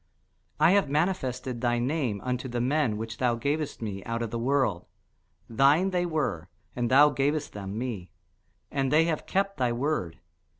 I have manifested thy name unto the men which thou gavest me out of the world: thine they were, and thou gavest them me; and they have kept thy word.